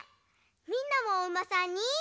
みんなもおうまさんに。